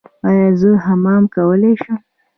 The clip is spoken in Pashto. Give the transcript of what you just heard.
ایا زه حمام کولی شم؟